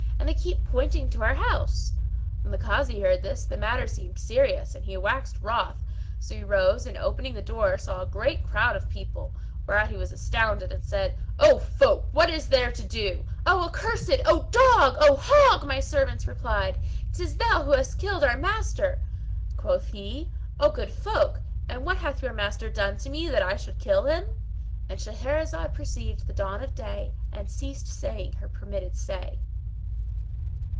and they keep pointing to our house." When the Kazi heard this, the matter seemed serious and he waxed wroth; so he rose and opening the door saw a great crowd of people; whereat he was astounded and said, "O folk! what is there to do?" "O accursed! O dog! O hog!" my servants replied; "'Tis thou who hast killed our master!" Quoth he, "O good folk, and what hath your master done to me that I should kill him?"— And Shahrazad perceived the dawn of day and ceased saying her permitted say.